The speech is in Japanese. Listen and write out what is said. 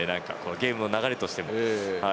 ゲームの流れとしても。